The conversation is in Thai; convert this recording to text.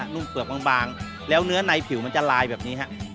ุ่มเปลือกบางแล้วเนื้อในผิวมันจะลายแบบนี้ฮะ